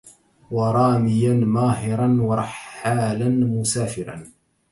ورامياً ماهراً، ورحّالاً مسافراً.